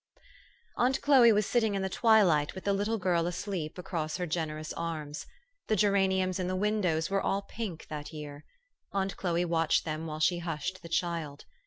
Aunt Chloe was sitting in the twilight with the little girl asleep across her generous arms. The geraniums in the windows were all pink that year. Aunt Chloe watched them while she hushed the child.